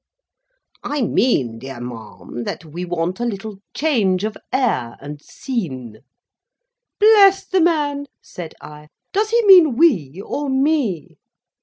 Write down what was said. "I mean, my dear ma'am, that we want a little change of air and scene." "Bless the man!" said I; "does he mean we or me!"